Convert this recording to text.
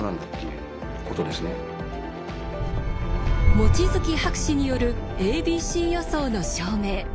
望月博士による「ａｂｃ予想」の証明